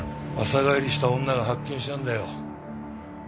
朝帰りした女が発見したんだよ。